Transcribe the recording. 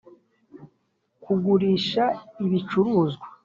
kugurisha ibicuruzwa .